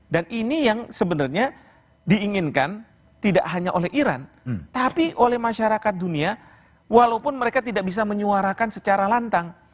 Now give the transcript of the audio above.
dan ini yang sebenarnya diinginkan tidak hanya oleh iran tapi oleh masyarakat dunia walaupun mereka tidak bisa menyuarakan secara lantang